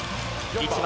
１番・